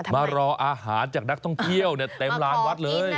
มารออาหารจากนักท่องเที่ยวเต็มลานวัดเลย